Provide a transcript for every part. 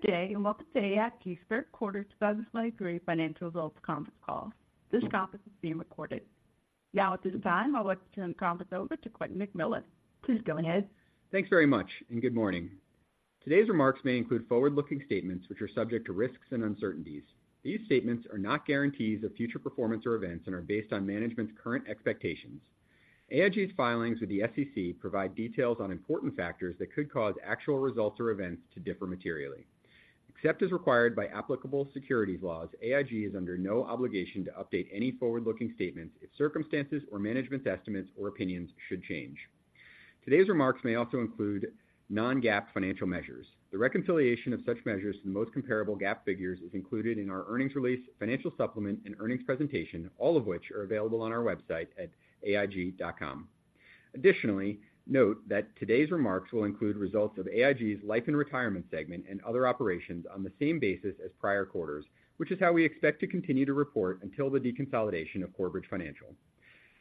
Good day, and welcome to AIG's Third Quarter 2023 Financial Results Conference Call. This conference is being recorded. Now, at this time, I'd like to turn the conference over to Quentin McMillan. Please go ahead. Thanks very much, and good morning. Today's remarks may include forward-looking statements, which are subject to risks and uncertainties. These statements are not guarantees of future performance or events and are based on management's current expectations. AIG's filings with the SEC provide details on important factors that could cause actual results or events to differ materially. Except as required by applicable securities laws, AIG is under no obligation to update any forward-looking statements if circumstances or management's estimates or opinions should change. Today's remarks may also include non-GAAP financial measures. The reconciliation of such measures to the most comparable GAAP figures is included in our earnings release, financial supplement, and earnings presentation, all of which are available on our website at aig.com. Additionally, note that today's remarks will include results of AIG's Life and Retirement segment and other operations on the same basis as prior quarters, which is how we expect to continue to report until the deconsolidation of Corebridge Financial.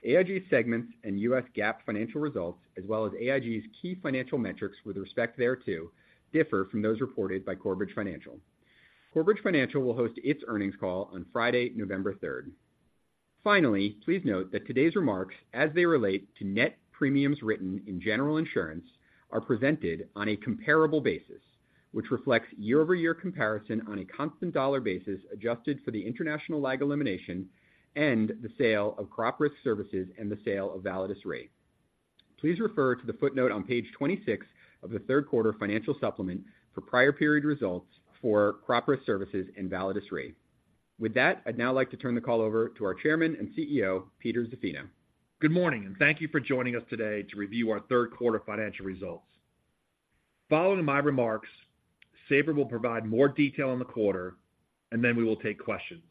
AIG's segments and U.S. GAAP financial results, as well as AIG's key financial metrics with respect thereto, differ from those reported by Corebridge Financial. Corebridge Financial will host its earnings call on Friday, November 3rd. Finally, please note that today's remarks, as they relate to Net Premiums Written in General Insurance, are presented on a comparable basis, which reflects year-over-year comparison on a constant dollar basis, adjusted for the International lag elimination and the sale of Crop Risk Services and the sale of Validus Re. Please refer to the footnote on page 26 of the third quarter financial supplement for prior period results for Crop Risk Services and Validus Re. With that, I'd now like to turn the call over to our Chairman and CEO, Peter Zaffino. Good morning, and thank you for joining us today to review our third quarter financial results. Following my remarks, Sabra will provide more detail on the quarter, and then we will take questions.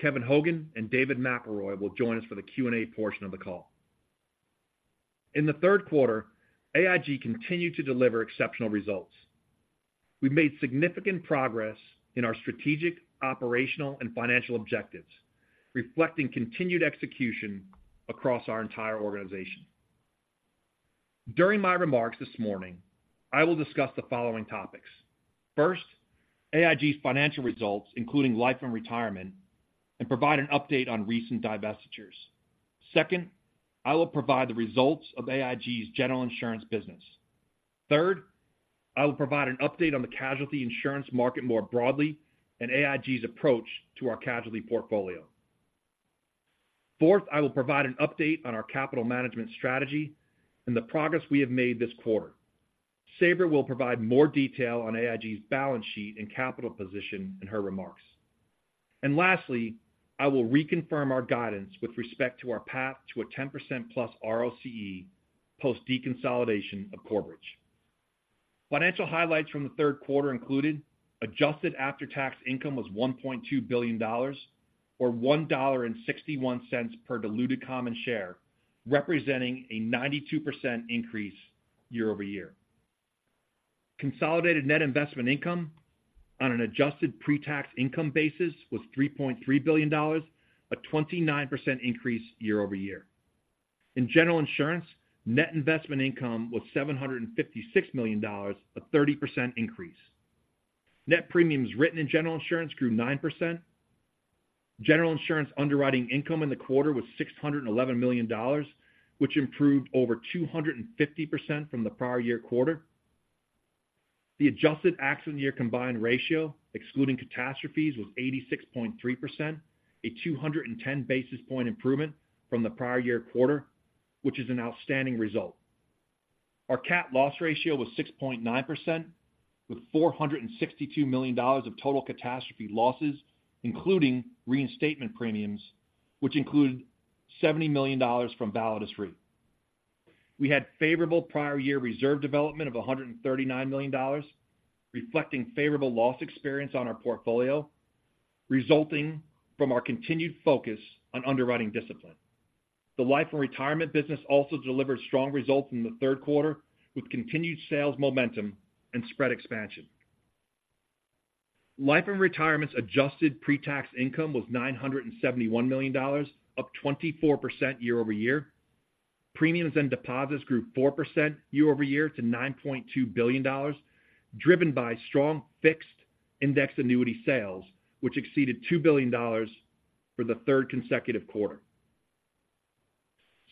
Kevin Hogan and David McElroy will join us for the Q&A portion of the call. In the third quarter, AIG continued to deliver exceptional results. We've made significant progress in our strategic, operational, and financial objectives, reflecting continued execution across our entire organization. During my remarks this morning, I will discuss the following topics: First, AIG's financial results, including Life and Retirement, and provide an update on recent divestitures. Second, I will provide the results of AIG's General Insurance business. Third, I will provide an update on the Casualty Insurance market more broadly and AIG's approach to our Casualty portfolio. Fourth, I will provide an update on our capital management strategy and the progress we have made this quarter. Sabra will provide more detail on AIG's balance sheet and capital position in her remarks. Lastly, I will reconfirm our guidance with respect to our path to a 10%+ ROCE post-deconsolidation of Corebridge. Financial highlights from the third quarter included: Adjusted After-Tax Income was $1.2 billion, or $1.61 per diluted common share, representing a 92% increase year over year. Consolidated net investment income on an Adjusted Pre-Tax Income basis was $3.3 billion, a 29% increase year over year. In General Insurance, net investment income was $756 million, a 30% increase. Net Premiums Written in General Insurance grew 9%. General Insurance underwriting income in the quarter was $611 million, which improved over 250% from the prior year quarter. The adjusted accident year combined ratio, excluding catastrophes, was 86.3%, a 210 basis point improvement from the prior year quarter, which is an outstanding result. Our cat loss ratio was 6.9%, with $462 million of total catastrophe losses, including reinstatement premiums, which included $70 million from Validus Re. We had favorable prior year reserve development of $139 million, reflecting favorable loss experience on our portfolio, resulting from our continued focus on underwriting discipline. The Life and Retirement business also delivered strong results in the third quarter, with continued sales momentum and spread expansion. Life and Retirement's Adjusted Pre-Tax Income was $971 million, up 24% YoY. Premiums and deposits grew 4% YoY to $9.2 billion, driven by strong fixed index annuity sales, which exceeded $2 billion for the third consecutive quarter.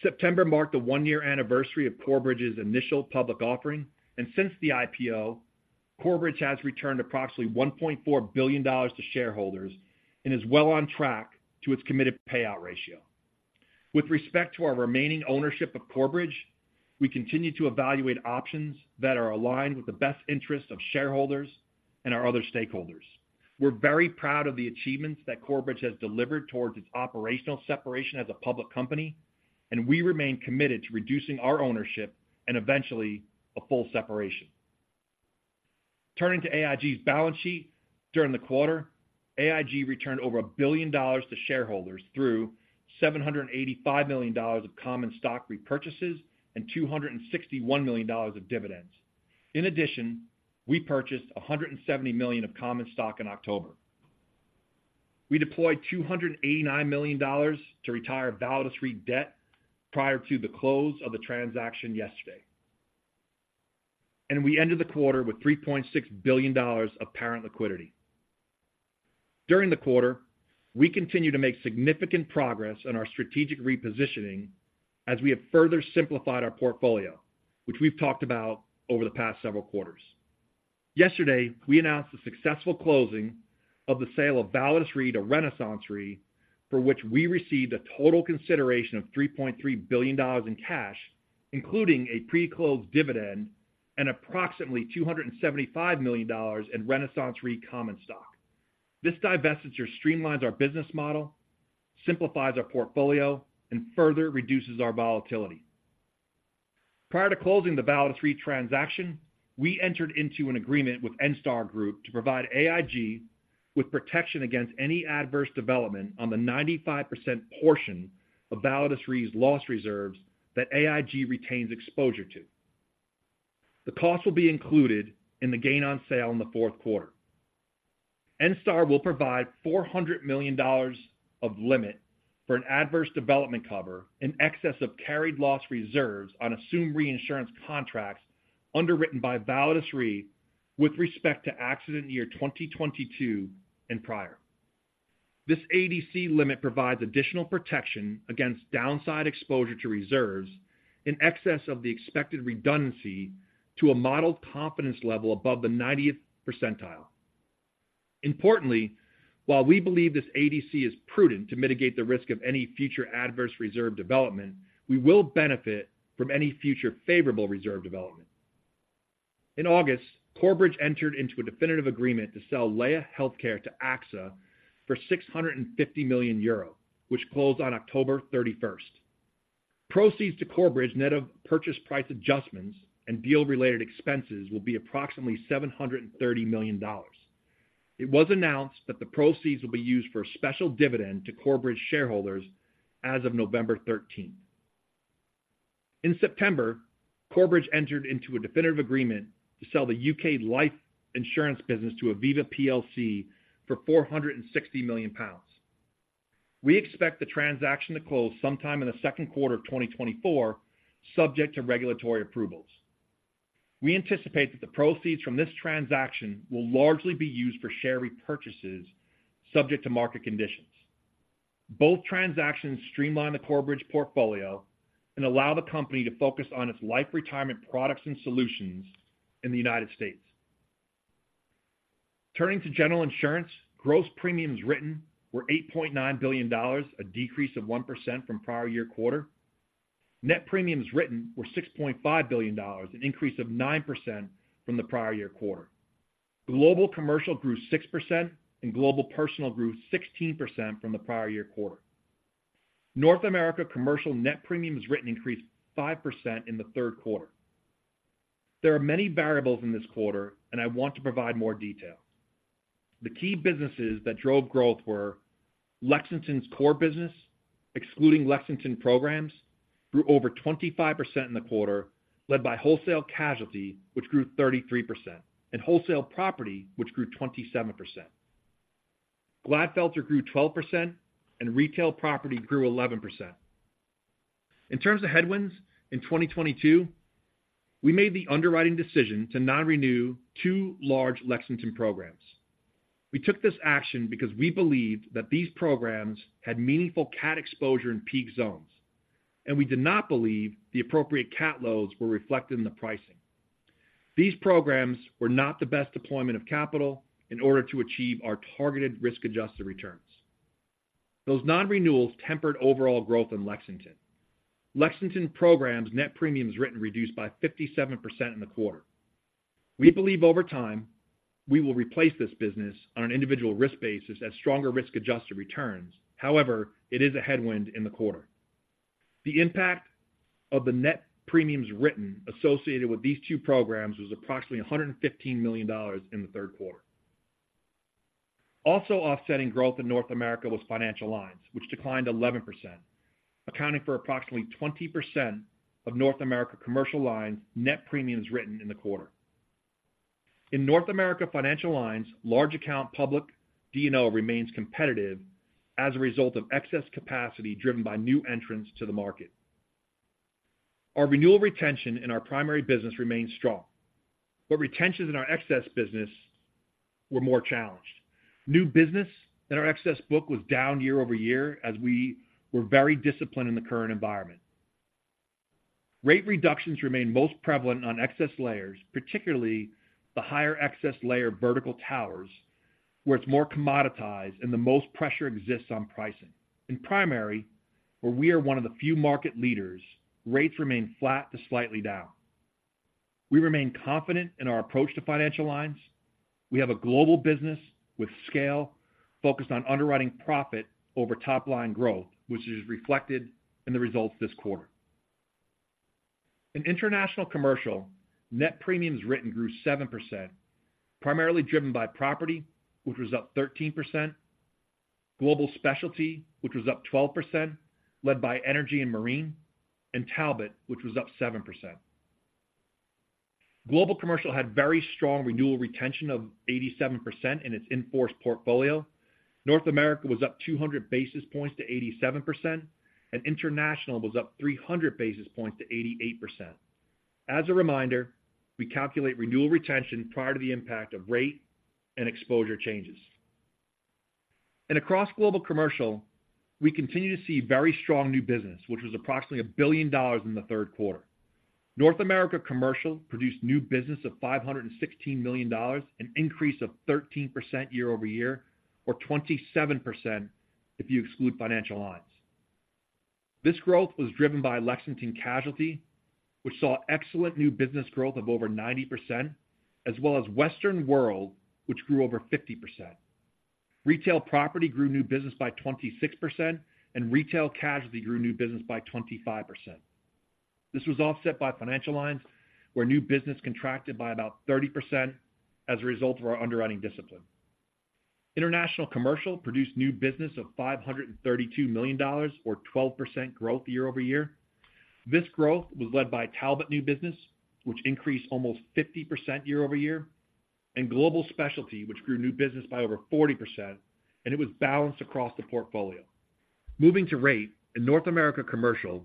September marked the one-year anniversary of Corebridge's initial public offering, and since the IPO, Corebridge has returned approximately $1.4 billion to shareholders and is well on track to its committed payout ratio. With respect to our remaining ownership of Corebridge, we continue to evaluate options that are aligned with the best interests of shareholders and our other stakeholders. We're very proud of the achievements that Corebridge has delivered towards its operational separation as a public company, and we remain committed to reducing our ownership and eventually a full separation. Turning to AIG's balance sheet, during the quarter, AIG returned over $1 billion to shareholders through $785 million of common stock repurchases and $261 million of dividends. In addition, we purchased $170 million of common stock in October.... We deployed $289 million to retire Validus Re debt prior to the close of the transaction yesterday. And we ended the quarter with $3.6 billion of parent liquidity. During the quarter, we continued to make significant progress on our strategic repositioning as we have further simplified our portfolio, which we've talked about over the past several quarters. Yesterday, we announced the successful closing of the sale of Validus Re to RenaissanceRe, for which we received a total consideration of $3.3 billion in cash, including a pre-closed dividend and approximately $275 million in RenaissanceRe common stock. This divestiture streamlines our business model, simplifies our portfolio, and further reduces our volatility. Prior to closing the Validus Re transaction, we entered into an agreement with Enstar Group to provide AIG with protection against any adverse development on the 95% portion of Validus Re's loss reserves that AIG retains exposure to. The cost will be included in the gain on sale in the fourth quarter. Enstar will provide $400 million of limit for an adverse development cover in excess of carried loss reserves on assumed reinsurance contracts underwritten by Validus Re with respect to accident year 2022 and prior. This ADC limit provides additional protection against downside exposure to reserves in excess of the expected redundancy to a modeled confidence level above the 90th percentile. Importantly, while we believe this ADC is prudent to mitigate the risk of any future adverse reserve development, we will benefit from any future favorable reserve development. In August, Corebridge entered into a definitive agreement to sell Laya Healthcare to AXA for 650 million euro, which closed on October 31st. Proceeds to Corebridge, net of purchase price adjustments and deal-related expenses, will be approximately $730 million. It was announced that the proceeds will be used for a special dividend to Corebridge shareholders as of November 19th. In September, Corebridge entered into a definitive agreement to sell the UK Life Insurance business to Aviva PLC for 460 million pounds. We expect the transaction to close sometime in the second quarter of 2024, subject to regulatory approvals. We anticipate that the proceeds from this transaction will largely be used for share repurchases, subject to market conditions. Both transactions streamline the Corebridge portfolio and allow the company to focus on its life retirement products and solutions in the United States. Turning to General Insurance, gross premiums written were $8.9 billion, a decrease of 1% from prior-year quarter. Net Premiums Written were $6.5 billion, an increase of 9% from the prior-year quarter. Global Commercial grew 6%, and Global Personal grew 16% from the prior-year quarter. North America Commercial Net Premiums Written increased 5% in the third quarter. There are many variables in this quarter, and I want to provide more detail. The key businesses that drove growth were Lexington's core business, excluding Lexington programs, grew over 25% in the quarter, led by Wholesale Casualty, which grew 33%, and Wholesale Property, which grew 27%. Glatfelter grew 12%, and Retail Property grew 11%. In terms of headwinds, in 2022, we made the underwriting decision to non-renew two large Lexington programs. We took this action because we believed that these programs had meaningful cat exposure in peak zones, and we did not believe the appropriate cat loads were reflected in the pricing. These programs were not the best deployment of capital in order to achieve our targeted risk-adjusted returns. Those non-renewals tempered overall growth in Lexington. Lexington programs Net Premiums Written reduced by 57% in the quarter. We believe over time, we will replace this business on an individual risk basis at stronger risk-adjusted returns. However, it is a headwind in the quarter. The impact of the Net Premiums Written associated with these two programs was approximately $115 million in the third quarter. Also offsetting growth in North America was Financial Lines, which declined 11%, accounting for approximately 20% of North America commercial lines Net Premiums Written in the quarter. In North America, Financial Lines, large account public D&O remains competitive as a result of excess capacity driven by new entrants to the market. Our renewal retention in our primary business remains strong, but retentions in our excess business were more challenged. New business in our excess book was down year-over-year as we were very disciplined in the current environment. Rate reductions remain most prevalent on excess layers, particularly the higher excess layer vertical towers, where it's more commoditized and the most pressure exists on pricing. In primary, where we are one of the few market leaders, rates remain flat to slightly down. We remain confident in our approach to Financial Lines. We have a global business with scale, focused on underwriting profit over top line growth, which is reflected in the results this quarter. In International Commercial, Net Premiums Written grew 7%, primarily driven by Property, which was up 13%, Global Specialty, which was up 12%, led by Energy and Marine, and Talbot, which was up 7%.... Global Commercial had very strong renewal retention of 87% in its in-force portfolio. North America was up 200 basis points to 87%, and International was up 300 basis points to 88%. As a reminder, we calculate renewal retention prior to the impact of rate and exposure changes. Across Global Commercial, we continue to see very strong new business, which was approximately $1 billion in the third quarter. North America Commercial produced new business of $516 million, an increase of 13% YoY, or 27% if you exclude Financial Lines. This growth was driven by Lexington Casualty, which saw excellent new business growth of over 90%, as well as Western World, which grew over 50%. Retail Property grew new business by 26%, and Retail Casualty grew new business by 25%. This was offset by Financial Lines, where new business contracted by about 30% as a result of our underwriting discipline. International Commercial produced new business of $532 million, or 12% growth year-over-year. This growth was led by Talbot new business, which increased almost 50% YoY, and Global Specialty, which grew new business by over 40%, and it was balanced across the portfolio. Moving to rate, in North America, Commercial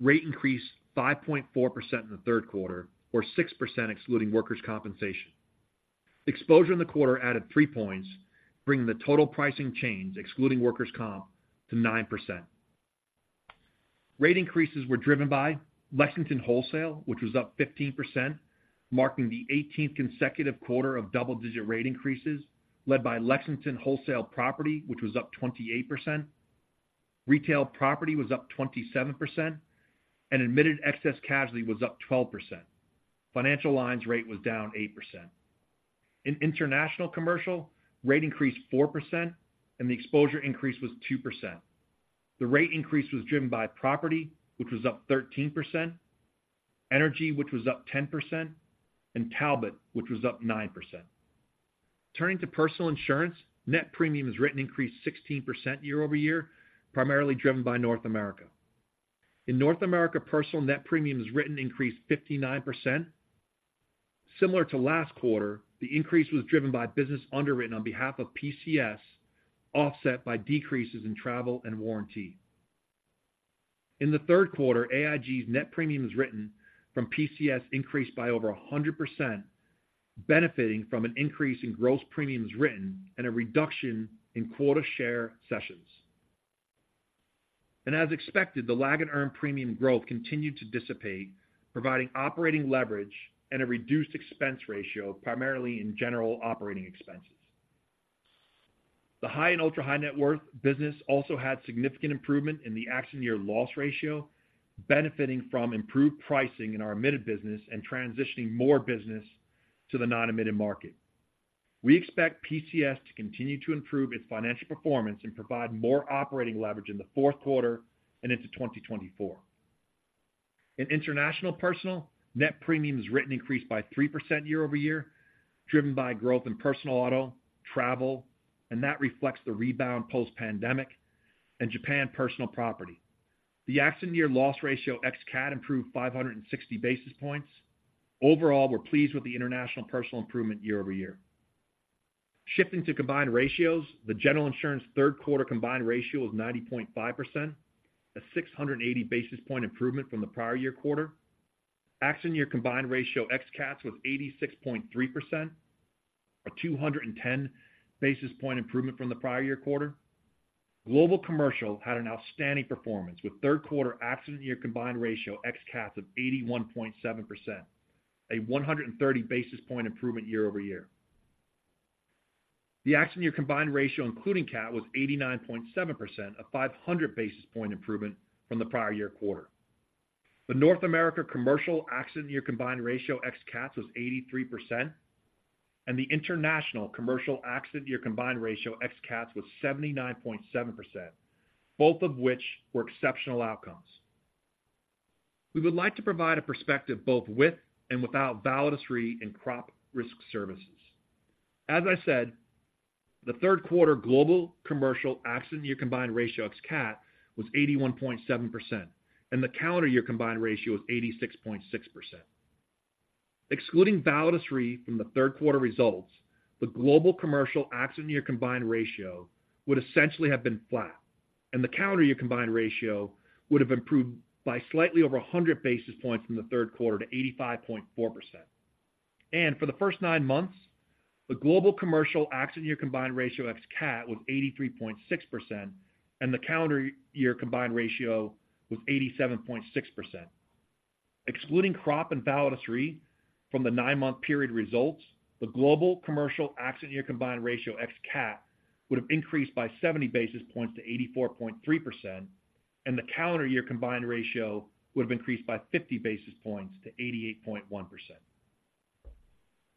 rate increased 5.4% in the third quarter, or 6% excluding workers' compensation. Exposure in the quarter added three points, bringing the total pricing change, excluding workers' comp, to 9%. Rate increases were driven by Lexington Wholesale, which was up 15%, marking the 18th consecutive quarter of double-digit rate increases, led by Lexington Wholesale Property, which was up 28%. Retail Property was up 27%, and Admitted Excess Casualty was up 12%. Financial Lines rate was down 8%. In International Commercial, rate increased 4% and the exposure increase was 2%. The rate increase was driven by property, which was up 13%, energy, which was up 10%, and Talbot, which was up 9%. Turning to personal insurance, Net Premiums Written increased 16% YoY, primarily driven by North America. In North America, personal Net Premiums Written increased 59%. Similar to last quarter, the increase was driven by business underwritten on behalf of PCS, offset by decreases in travel and warranty. In the third quarter, AIG's Net Premiums Written from PCS increased by over 100%, benefiting from an increase in gross premiums written and a reduction in quota share sessions. As expected, the lag in earned premium growth continued to dissipate, providing operating leverage and a reduced expense ratio, primarily in general operating expenses. The high and ultra-high net worth business also had significant improvement in the accident year loss ratio, benefiting from improved pricing in our admitted business and transitioning more business to the non-admitted market. We expect PCS to continue to improve its financial performance and provide more operating leverage in the fourth quarter and into 2024. In International Personal, Net Premiums Written increased by 3% YoY, driven by growth in personal auto, travel, and that reflects the rebound post-pandemic, and Japan personal property. The accident year loss ratio ex CAT improved 560 basis points. Overall, we're pleased with the international personal improvement year-over-year. Shifting to combined ratios, the General Insurance third quarter combined ratio was 90.5%, a 680 basis point improvement from the prior year quarter. Accident year combined ratio ex CATs was 86.3%, a 210 basis point improvement from the prior year quarter. Global Commercial had an outstanding performance, with third quarter accident year combined ratio ex CATs of 81.7%, a 130 basis point improvement year-over-year. The accident year combined ratio, including CAT, was 89.7%, a 500 basis point improvement from the prior year quarter. The North America Commercial accident year combined ratio ex CATs was 83%, and the International Commercial accident year combined ratio ex CATs was 79.7%, both of which were exceptional outcomes. We would like to provide a perspective, both with and without Validus Re and Crop Risk Services. As I said, the third quarter global commercial accident year combined ratio ex CAT was 81.7%, and the calendar year combined ratio was 86.6%. Excluding Validus Re from the third quarter results, the global commercial accident year combined ratio would essentially have been flat, and the calendar year combined ratio would have improved by slightly over 100 basis points from the third quarter to 85.4%. For the first nine months, the global commercial accident year combined ratio ex CAT was 83.6%, and the calendar year combined ratio was 87.6%. Excluding crop and Validus Re from the nine-month period results, the global commercial accident year combined ratio ex CAT would have increased by 70 basis points to 84.3%, and the calendar year combined ratio would have increased by 50 basis points to 88.1%.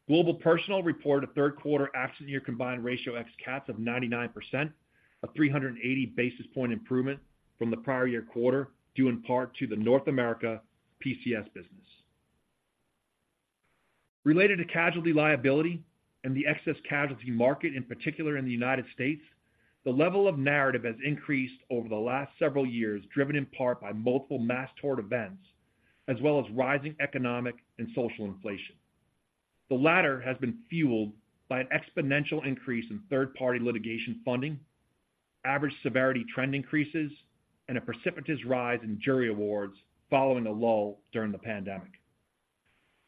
Global Personal reported a third quarter accident year combined ratio ex CATs of 99%, a 380 basis point improvement from the prior year quarter, due in part to the North America PCS business. Related to casualty liability and the Excess Casualty market, in particular in the United States. The level of narrative has increased over the last several years, driven in part by multiple mass tort events, as well as rising economic and social inflation. The latter has been fueled by an exponential increase in third-party litigation funding, average severity trend increases, and a precipitous rise in jury awards following a lull during the pandemic.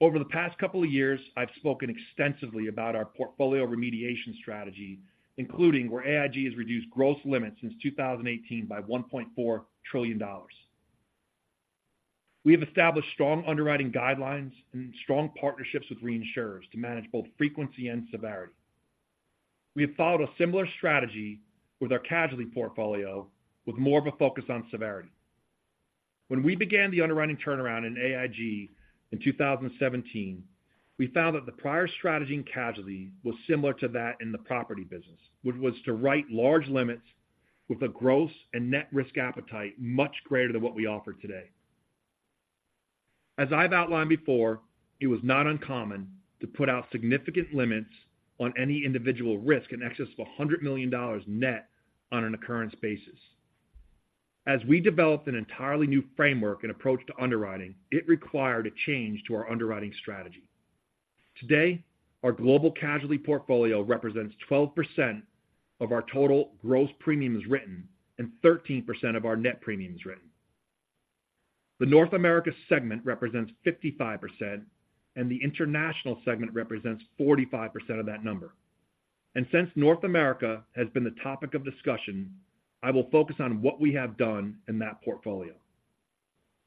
Over the past couple of years, I've spoken extensively about our portfolio remediation strategy, including where AIG has reduced gross limits since 2018 by $1.4 trillion. We have established strong underwriting guidelines and strong partnerships with reinsurers to manage both frequency and severity. We have followed a similar strategy with our Casualty portfolio, with more of a focus on severity. When we began the underwriting turnaround in AIG in 2017, we found that the prior strategy in casualty was similar to that in the property business, which was to write large limits with a gross and net risk appetite much greater than what we offer today. As I've outlined before, it was not uncommon to put out significant limits on any individual risk in excess of $100 million net on an occurrence basis. As we developed an entirely new framework and approach to underwriting, it required a change to our underwriting strategy. Today, our global Casualty portfolio represents 12% of our total gross premiums written and 13% of our Net Premiums Written. The North America segment represents 55%, and the international segment represents 45% of that number. And since North America has been the topic of discussion, I will focus on what we have done in that portfolio.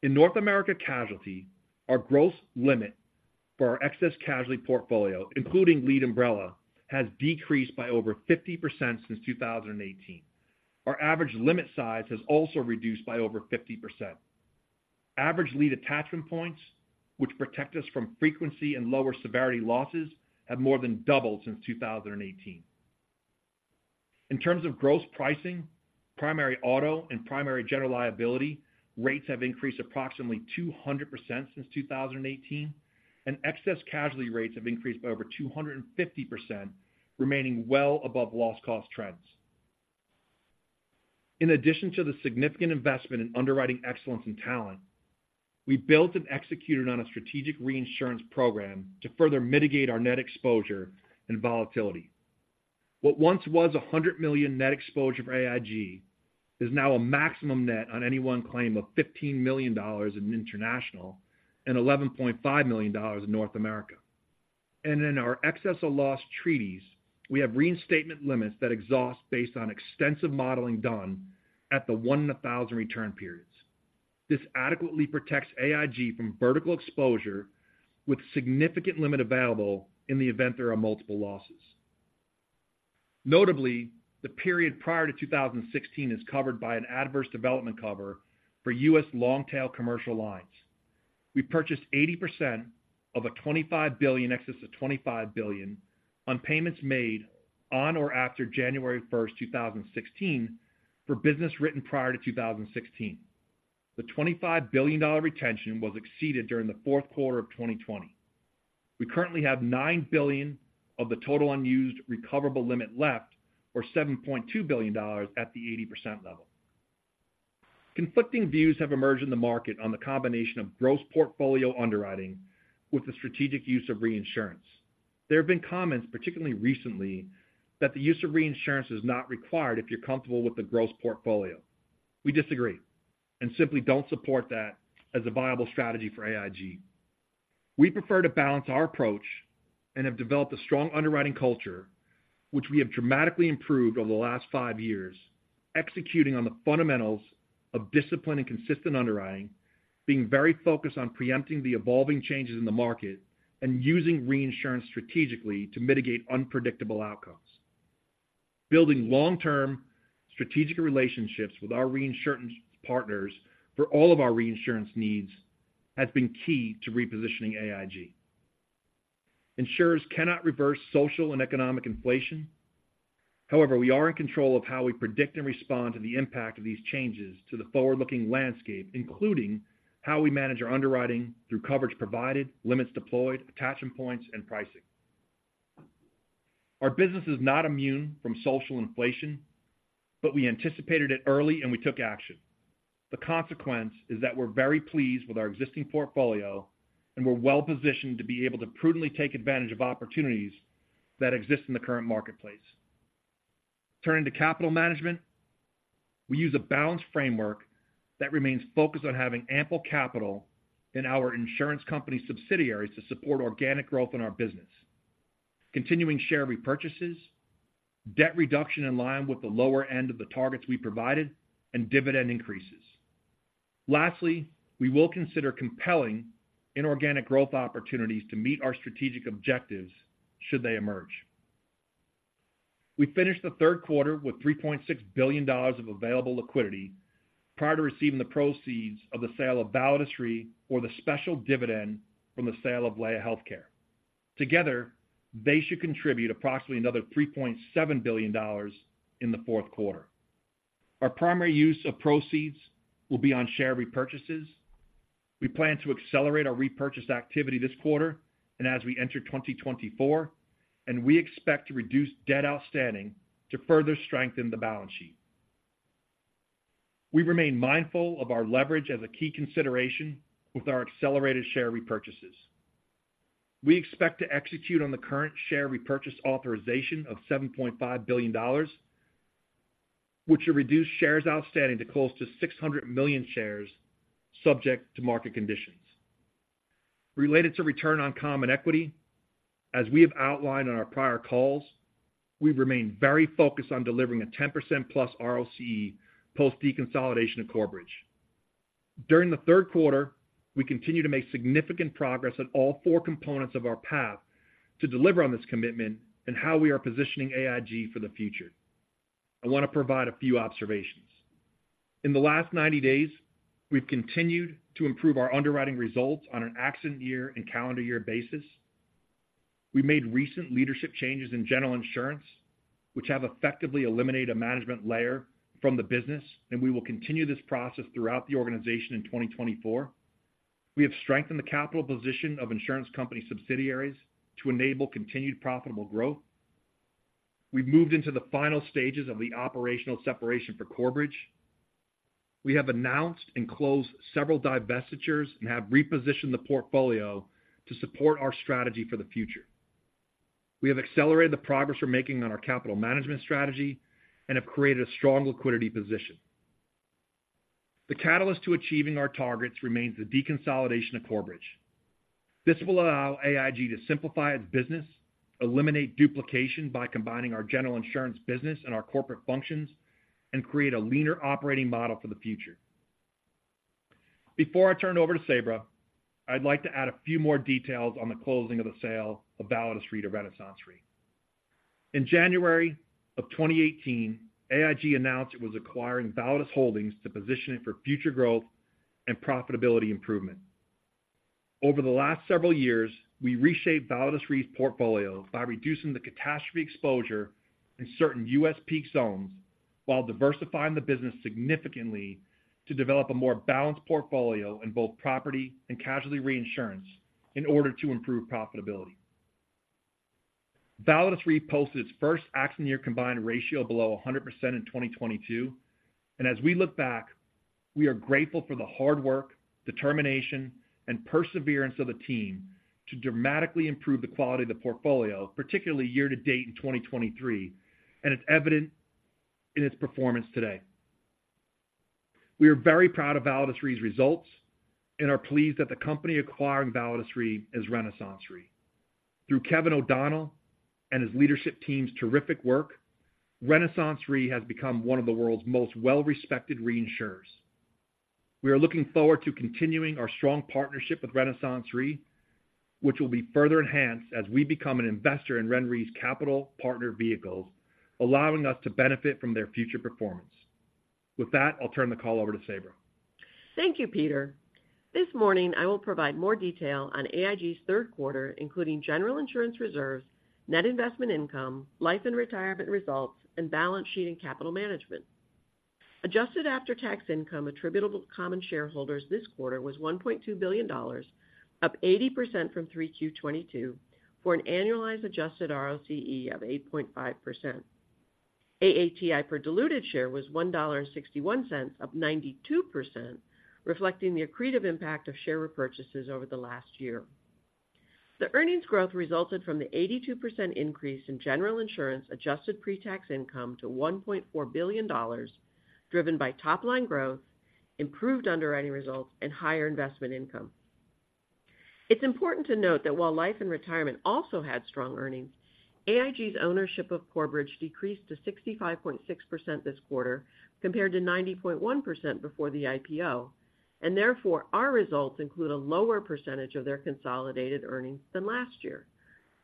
In North America Casualty, our gross limit for our Excess Casualty portfolio, including lead umbrella, has decreased by over 50% since 2018. Our average limit size has also reduced by over 50%. Average lead attachment points, which protect us from frequency and lower severity losses, have more than doubled since 2018. In terms of gross pricing, primary auto, and primary general liability, rates have increased approximately 200% since 2018, and Excess Casualty rates have increased by over 250%, remaining well above loss cost trends. In addition to the significant investment in underwriting excellence and talent, we built and executed on a strategic reinsurance program to further mitigate our net exposure and volatility. What once was $100 million net exposure for AIG, is now a maximum net on any one claim of $15 million in international and $11.5 million in North America. In our excess of loss treaties, we have reinstatement limits that exhaust based on extensive modeling done at the 1 in 1,000 return periods. This adequately protects AIG from vertical exposure with significant limit available in the event there are multiple losses. Notably, the period prior to 2016 is covered by an adverse development cover for U.S. long-tail commercial lines. We purchased 80% of a $25 billion, excess of $25 billion, on payments made on or after January 1, 2016, for business written prior to 2016. The $25 billion retention was exceeded during the fourth quarter of 2020. We currently have $9 billion of the total unused recoverable limit left, or $7.2 billion at the 80% level. Conflicting views have emerged in the market on the combination of gross portfolio underwriting with the strategic use of reinsurance. There have been comments, particularly recently, that the use of reinsurance is not required if you're comfortable with the gross portfolio. We disagree and simply don't support that as a viable strategy for AIG. We prefer to balance our approach and have developed a strong underwriting culture, which we have dramatically improved over the last five years, executing on the fundamentals of discipline and consistent underwriting, being very focused on preempting the evolving changes in the market, and using reinsurance strategically to mitigate unpredictable outcomes. Building long-term strategic relationships with our reinsurance partners for all of our reinsurance needs, has been key to repositioning AIG. Insurers cannot reverse social and economic inflation. However, we are in control of how we predict and respond to the impact of these changes to the forward-looking landscape, including how we manage our underwriting through coverage provided, limits deployed, attachment points, and pricing. Our business is not immune from social inflation, but we anticipated it early and we took action. The consequence is that we're very pleased with our existing portfolio, and we're well positioned to be able to prudently take advantage of opportunities that exist in the current marketplace. Turning to capital management, we use a balanced framework that remains focused on having ample capital in our insurance company subsidiaries to support organic growth in our business, continuing share repurchases, debt reduction in line with the lower end of the targets we provided, and dividend increases. Lastly, we will consider compelling inorganic growth opportunities to meet our strategic objectives should they emerge. We finished the third quarter with $3.6 billion of available liquidity prior to receiving the proceeds of the sale of Validus Re or the special dividend from the sale of Laya Healthcare. Together, they should contribute approximately another $3.7 billion in the fourth quarter. Our primary use of proceeds will be on share repurchases. We plan to accelerate our repurchase activity this quarter and as we enter 2024, and we expect to reduce debt outstanding to further strengthen the balance sheet. We remain mindful of our leverage as a key consideration with our accelerated share repurchases. We expect to execute on the current share repurchase authorization of $7.5 billion, which will reduce shares outstanding to close to 600 million shares, subject to market conditions. Related to return on common equity, as we have outlined on our prior calls, we've remained very focused on delivering a 10%+ ROCE post deconsolidation of Corebridge. During the third quarter, we continued to make significant progress on all four components of our path to deliver on this commitment and how we are positioning AIG for the future. I want to provide a few observations. In the last 90 days, we've continued to improve our underwriting results on an accident year and calendar year basis. We made recent leadership changes in General Insurance, which have effectively eliminated a management layer from the business, and we will continue this process throughout the organization in 2024. We have strengthened the capital position of insurance company subsidiaries to enable continued profitable growth. We've moved into the final stages of the operational separation for Corebridge. We have announced and closed several divestitures and have repositioned the portfolio to support our strategy for the future. We have accelerated the progress we're making on our capital management strategy and have created a strong liquidity position. The catalyst to achieving our targets remains the deconsolidation of Corebridge. This will allow AIG to simplify its business, eliminate duplication by combining our General Insurance business and our corporate functions, and create a leaner operating model for the future. Before I turn it over to Sabra, I'd like to add a few more details on the closing of the sale of Validus Re to RenaissanceRe. In January of 2018, AIG announced it was acquiring Validus Holdings to position it for future growth and profitability improvement. Over the last several years, we reshaped Validus Re's portfolio by reducing the catastrophe exposure in certain U.S. peak zones, while diversifying the business significantly to develop a more balanced portfolio in both property and casualty reinsurance in order to improve profitability. Validus Re posted its first accident year combined ratio below 100% in 2022, and as we look back, we are grateful for the hard work, determination, and perseverance of the team to dramatically improve the quality of the portfolio, particularly year to date in 2023, and it's evident in its performance today. We are very proud of Validus Re's results and are pleased that the company acquiring Validus Re is RenaissanceRe. Through Kevin O'Donnell and his leadership team's terrific work, RenaissanceRe has become one of the world's most well-respected reinsurers. We are looking forward to continuing our strong partnership with RenaissanceRe, which will be further enhanced as we become an investor in RenRe's capital partner vehicles, allowing us to benefit from their future performance. With that, I'll turn the call over to Sabra. Thank you, Peter. This morning, I will provide more detail on AIG's third quarter, including General Insurance reserves, net investment income, Life and Retirement results, and balance sheet and capital management. Adjusted After-Tax Income attributable to common shareholders this quarter was $1.2 billion, up 80% from 3Q 2022, for an annualized adjusted ROCE of 8.5%. AATI per diluted share was $1.61, up 92%, reflecting the accretive impact of share repurchases over the last year. The earnings growth resulted from the 82% increase in General Insurance Adjusted Pre-Tax Income to $1.4 billion, driven by top line growth, improved underwriting results, and higher investment income. It's important to note that while Life and Retirement also had strong earnings, AIG's ownership of Corebridge decreased to 65.6% this quarter, compared to 90.1% before the IPO, and therefore, our results include a lower percentage of their consolidated earnings than last year.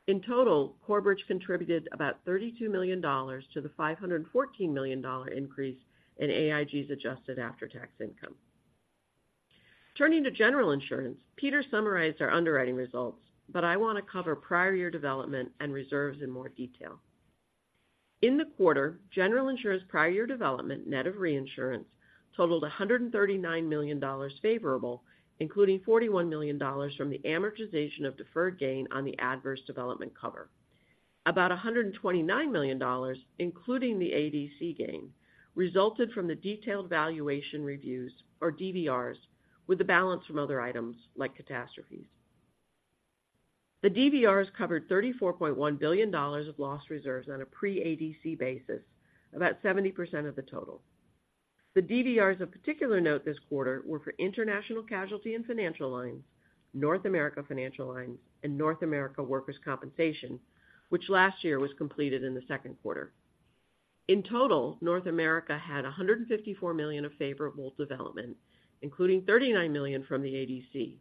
In total, Corebridge contributed about $32 million to the $514 million increase in AIG's Adjusted After-Tax Income. Turning to General Insurance, Peter summarized our underwriting results, but I want to cover prior year development and reserves in more detail. In the quarter, General Insurance prior year development, net of reinsurance, totaled $139 million favorable, including $41 million from the amortization of deferred gain on the Adverse Development Cover. About $129 million, including the ADC gain, resulted from the detailed valuation reviews, or DVRs, with the balance from other items like catastrophes. The DVRs covered $34.1 billion of loss reserves on a pre-ADC basis, about 70% of the total. The DVRs of particular note this quarter were for International casualty and Financial Lines, North America Financial Lines, and North America workers' compensation, which last year was completed in the second quarter. In total, North America had $154 million of favorable development, including $39 million from the ADC.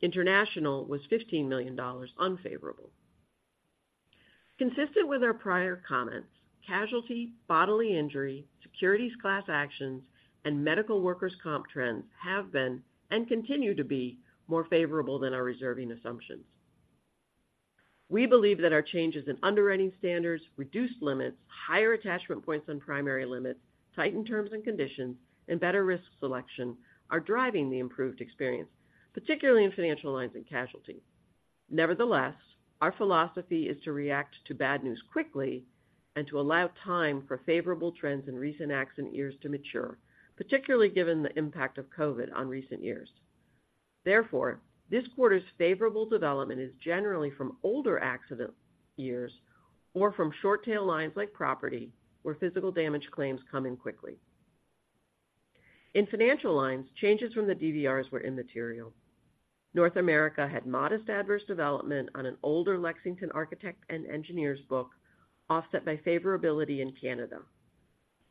International was $15 million unfavorable. Consistent with our prior comments, casualty, bodily injury, securities class actions, and medical workers' comp trends have been, and continue to be, more favorable than our reserving assumptions.... We believe that our changes in underwriting standards, reduced limits, higher attachment points on primary limits, tightened terms and conditions, and better risk selection are driving the improved experience, particularly in Financial Lines and casualty. Nevertheless, our philosophy is to react to bad news quickly and to allow time for favorable trends in recent accident years to mature, particularly given the impact of COVID on recent years. Therefore, this quarter's favorable development is generally from older accident years or from short-tail lines like property, where physical damage claims come in quickly. In Financial Lines, changes from the DVRs were immaterial. North America had modest adverse development on an older Lexington Architect and Engineers book, offset by favorability in Canada.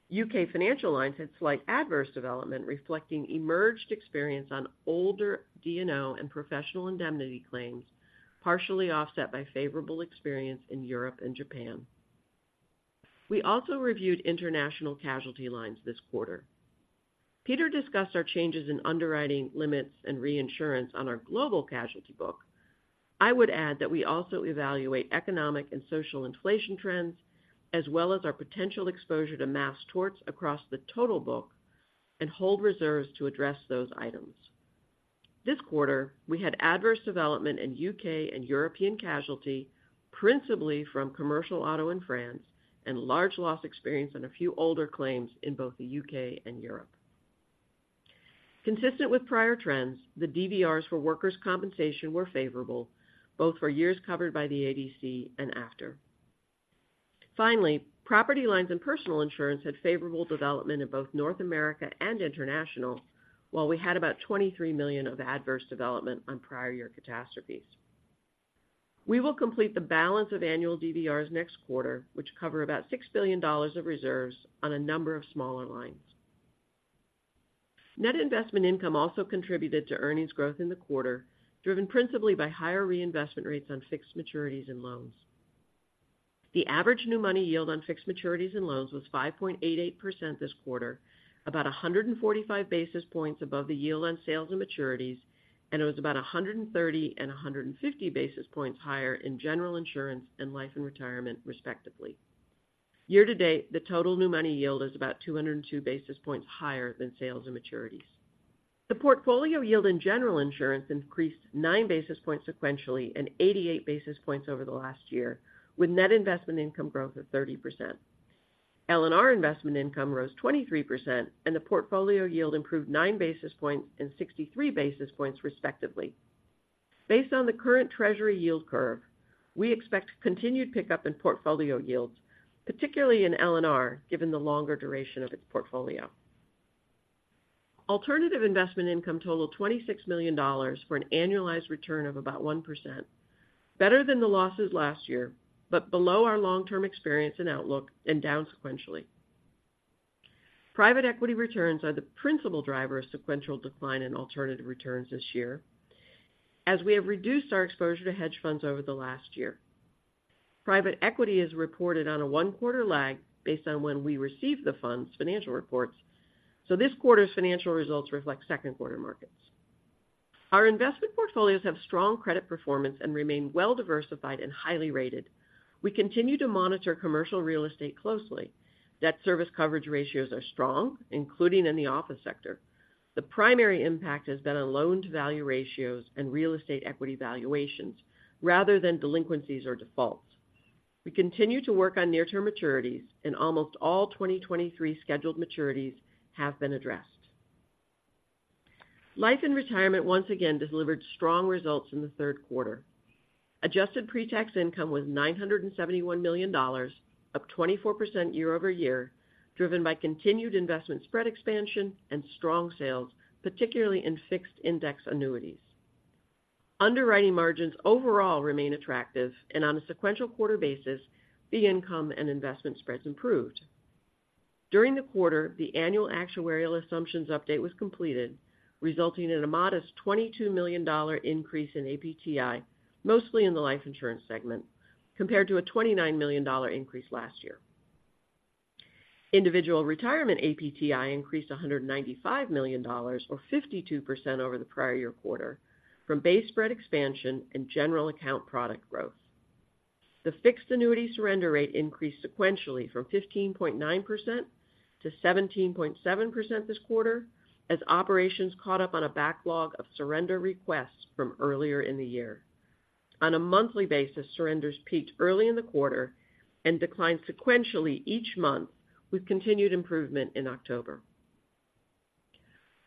U.K. Financial Lines had slight adverse development, reflecting emerged experience on older D&O and professional indemnity claims, partially offset by favorable experience in Europe and Japan. We also reviewed international casualty lines this quarter. Peter discussed our changes in underwriting limits and reinsurance on our global casualty book. I would add that we also evaluate economic and social Inflation trends, as well as our potential exposure to mass torts across the total book and hold reserves to address those items. This quarter, we had adverse development in U.K. and European casualty, principally from commercial auto in France and large loss experience on a few older claims in both the U.K. and Europe. Consistent with prior trends, the DVRs for workers' compensation were favorable, both for years covered by the ADC and after. Finally, property lines and personal insurance had favorable development in both North America and international, while we had about $23 million of adverse development on prior year catastrophes. We will complete the balance of annual DVRs next quarter, which cover about $6 billion of reserves on a number of smaller lines. Net investment income also contributed to earnings growth in the quarter, driven principally by higher reinvestment rates on fixed maturities and loans. The average new money yield on fixed maturities and loans was 5.88% this quarter, about 145 basis points above the yield on sales and maturities, and it was about 130 and 150 basis points higher in General Insurance and Life and Retirement, respectively. Year to date, the total new money yield is about 202 basis points higher than sales and maturities. The portfolio yield in General Insurance increased 9 basis points sequentially and 88 basis points over the last year, with net investment income growth of 30%. L&R investment income rose 23%, and the portfolio yield improved 9 basis points and 63 basis points, respectively. Based on the current Treasury yield curve, we expect continued pickup in portfolio yields, particularly in L&R, given the longer duration of its portfolio. Alternative investment income totaled $26 million for an annualized return of about 1%, better than the losses last year, but below our long-term experience and outlook and down sequentially. Private equity returns are the principal driver of sequential decline in alternative returns this year, as we have reduced our exposure to hedge funds over the last year. Private equity is reported on a one-quarter lag based on when we receive the fund's financial reports, so this quarter's financial results reflect second-quarter markets. Our investment portfolios have strong credit performance and remain well-diversified and highly rated. We continue to monitor commercial real estate closely. Debt service coverage ratios are strong, including in the office sector. The primary impact has been on loan-to-value ratios and real estate equity valuations, rather than delinquencies or defaults. We continue to work on near-term maturities, and almost all 2023 scheduled maturities have been addressed. Life and Retirement once again delivered strong results in the third quarter. Adjusted Pre-Tax Income was $971 million, up 24% YoY, driven by continued investment spread expansion and strong sales, particularly in fixed index annuities. Underwriting margins overall remain attractive, and on a sequential quarter basis, the income and investment spreads improved. During the quarter, the annual actuarial assumptions update was completed, resulting in a modest $22 million increase in APTI, mostly in the Life Insurance segment, compared to a $29 million increase last year. Individual Retirement APTI increased $195 million, or 52% over the prior year quarter, from base spread expansion and general account product growth. The fixed annuity surrender rate increased sequentially from 15.9% to 17.7% this quarter, as operations caught up on a backlog of surrender requests from earlier in the year. On a monthly basis, surrenders peaked early in the quarter and declined sequentially each month, with continued improvement in October.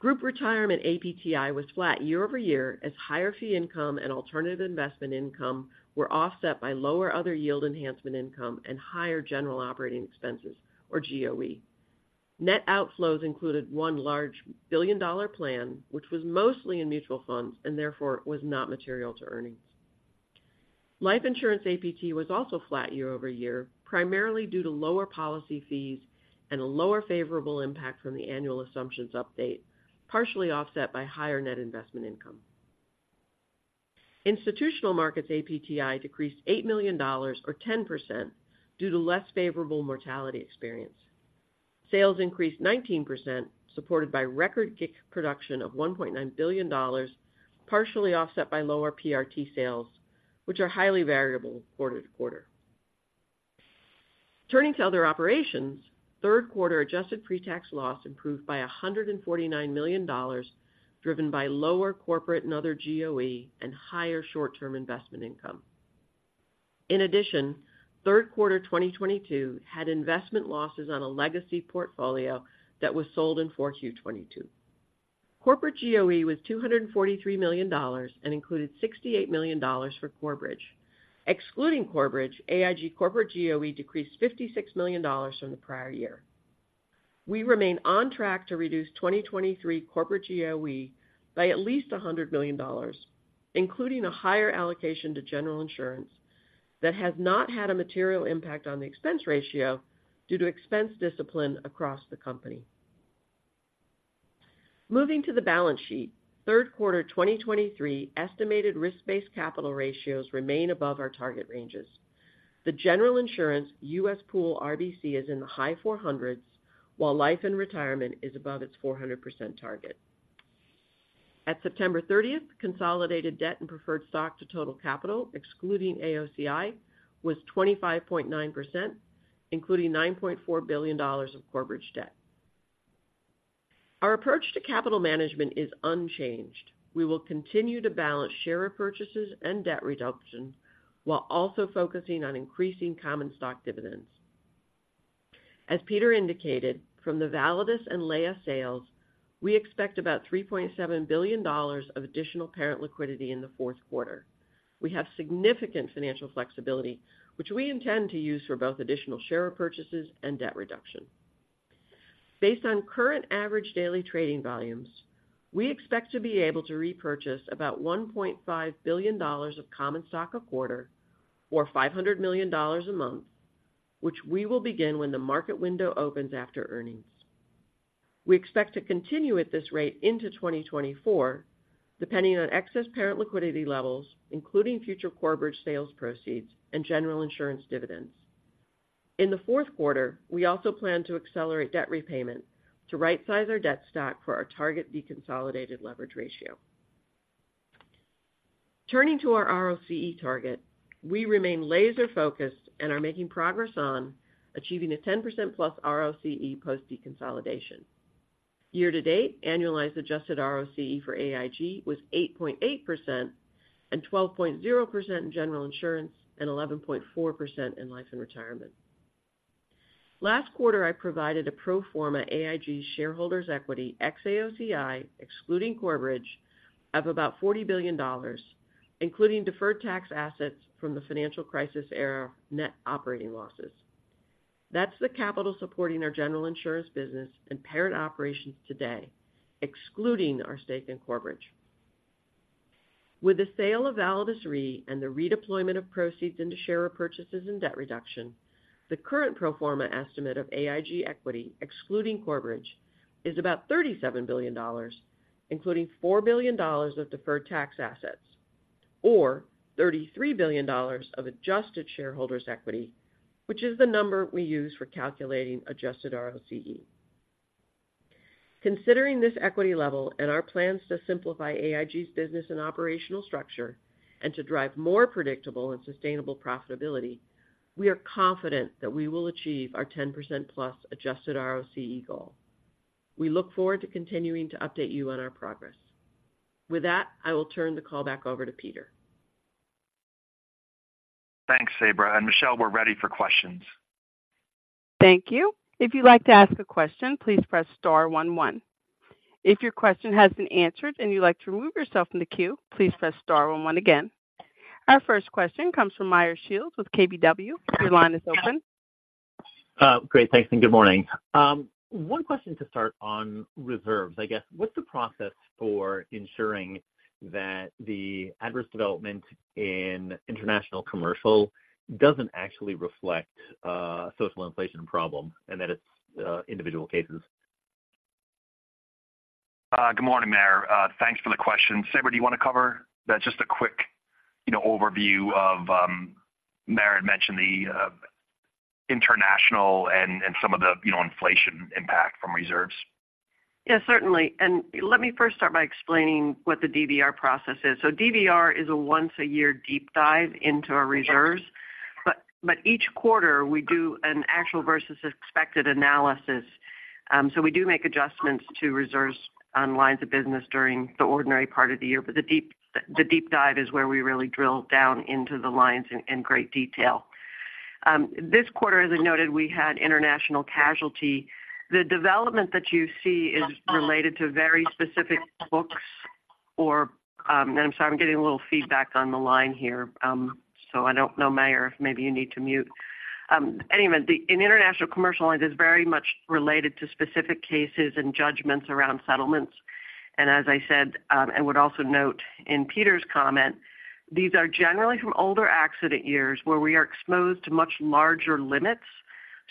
Group Retirement APTI was flat year-over-year as higher fee income and alternative investment income were offset by lower other yield enhancement income and higher general operating expenses, or GOE. Net outflows included one large $1 billion plan, which was mostly in mutual funds and therefore was not material to earnings. Life Insurance APTI was also flat year-over-year, primarily due to lower policy fees and a lower favorable impact from the annual assumptions update, partially offset by higher net investment income. Institutional Markets APTI decreased $8 million or 10% due to less favorable mortality experience. Sales increased 19%, supported by record GIC production of $1.9 billion, partially offset by lower PRT sales, which are highly variable quarter-to-quarter. Turning to other operations, third quarter adjusted pretax loss improved by $149 million, driven by lower corporate and other GOE and higher short-term investment income. In addition, third quarter 2022 had investment losses on a legacy portfolio that was sold in 4Q 2022. Corporate GOE was $243 million and included $68 million for Corebridge. Excluding Corebridge, AIG corporate GOE decreased $56 million from the prior year. We remain on track to reduce 2023 corporate GOE by at least $100 million, including a higher allocation to General Insurance that has not had a material impact on the expense ratio due to expense discipline across the company. Moving to the balance sheet, third quarter 2023 estimated risk-based capital ratios remain above our target ranges. The General Insurance U.S. Pool RBC is in the high 400s, while Life and Retirement is above its 400% target. At September 30, consolidated debt and preferred stock to total capital, excluding AOCI, was 25.9%, including $9.4 billion of Corebridge debt. Our approach to capital management is unchanged. We will continue to balance share repurchases and debt reduction, while also focusing on increasing common stock dividends. As Peter indicated, from the Validus and Laya sales, we expect about $3.7 billion of additional parent liquidity in the fourth quarter. We have significant financial flexibility, which we intend to use for both additional share repurchases and debt reduction. Based on current average daily trading volumes, we expect to be able to repurchase about $1.5 billion of common stock a quarter, or $500 million a month, which we will begin when the market window opens after earnings. We expect to continue at this rate into 2024, depending on excess parent liquidity levels, including future Corebridge sales proceeds and General Insurance dividends. In the fourth quarter, we also plan to accelerate debt repayment to rightsize our debt stock for our target deconsolidated leverage ratio. Turning to our ROCE target, we remain laser focused and are making progress on achieving a 10%+ ROCE post deconsolidation. Year to date, annualized adjusted ROCE for AIG was 8.8% and 12.0% in General Insurance and 11.4% in Life and Retirement. Last quarter, I provided a pro forma AIG shareholders' equity ex-AOCI, excluding Corebridge, of about $40 billion, including deferred tax assets from the financial crisis era net operating losses. That's the capital supporting our General Insurance business and parent operations today, excluding our stake in Corebridge. With the sale of Validus Re and the redeployment of proceeds into share repurchases and debt reduction, the current pro forma estimate of AIG equity, excluding Corebridge, is about $37 billion, including $4 billion of deferred tax assets, or $33 billion of adjusted shareholders' equity, which is the number we use for calculating adjusted ROCE. Considering this equity level and our plans to simplify AIG's business and operational structure and to drive more predictable and sustainable profitability, we are confident that we will achieve our 10%+ adjusted ROCE goal. We look forward to continuing to update you on our progress. With that, I will turn the call back over to Peter. Thanks, Sabra, and Michelle, we're ready for questions. Thank you. If you'd like to ask a question, please press star one, one. If your question has been answered and you'd like to remove yourself from the queue, please press star one one again. Our first question comes from Meyer Shields with KBW. Your line is open. Great, thanks, and good morning. One question to start on reserves. I guess, what's the process for ensuring that the adverse development in International Commercial doesn't actually reflect a social inflation problem and that it's individual cases? Good morning, Meyer. Thanks for the question. Sabra, do you want to cover that? Just a quick, you know, overview of, Meyer had mentioned the international and some of the, you know, inflation impact from reserves. Yeah, certainly. And let me first start by explaining what the DVR process is. So DVR is a once-a-year deep dive into our reserves, but each quarter, we do an actual versus expected analysis. So we do make adjustments to reserves on lines of business during the ordinary part of the year, but the deep dive is where we really drill down into the lines in great detail. This quarter, as I noted, we had international casualty. The development that you see is related to very specific books or... And I'm sorry, I'm getting a little feedback on the line here. So I don't know, Meyer, if maybe you need to mute. Anyway, the in International Commercial lines is very much related to specific cases and judgments around settlements. As I said, and would also note in Peter's comment, these are generally from older accident years where we are exposed to much larger limits.